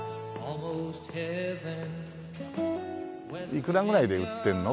いくらぐらいで売ってるの？